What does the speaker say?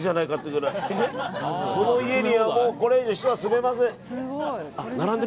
その家にはもうこれ以上人は住めません。